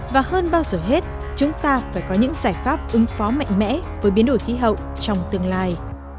và hơn bao giờ hết chúng ta phải có những giải pháp ứng phó mạnh mẽ với biến đổi khí hậu trong tương lai